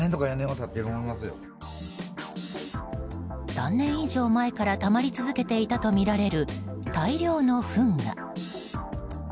３年以上前からたまり続けていたとみられる大量のふんが。